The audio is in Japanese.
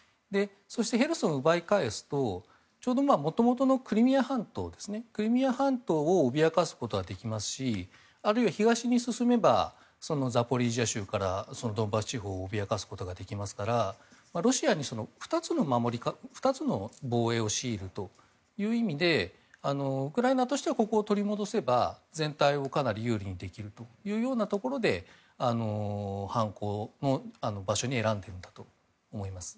そして、ヘルソンを奪い返すとちょうどもともとのクリミア半島を脅かすことはできますしあるいは東に進めばザポリージャ州からドンバス地方を脅かすことができますからロシアに２つの防衛を強いるという意味でウクライナとしてはここを取り戻せば全体をかなり有利にできるというようなところで反抗の場所に選んでいるんだと思います。